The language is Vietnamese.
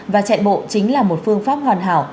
và chạy bộ chính là một phương pháp hoàn hảo